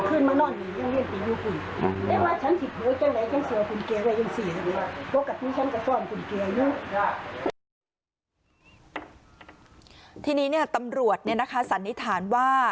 ที่นี้นี่เนี่ยตำรวจเนี่ยนะคะสันนิษฐานว่า